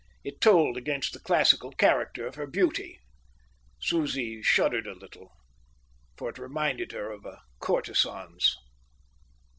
It told against the classical character of her beauty. Susie shuddered a little, for it reminded her of a courtesan's.